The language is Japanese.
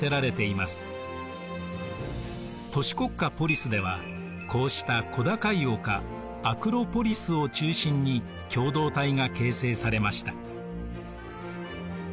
都市国家ポリスではこうした小高い丘アクロポリスを中心に共同体が形成されました。